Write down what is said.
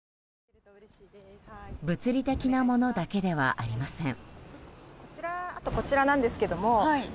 物理的なものだけではありません。